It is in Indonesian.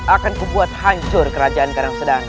akan kubuat hancur kerajaan terang sedana